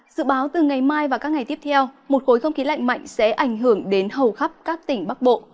dự báo từ ngày mai và các ngày tiếp theo một khối không khí lạnh mạnh sẽ ảnh hưởng đến hầu khắp các tỉnh bắc bộ